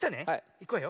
いくわよ。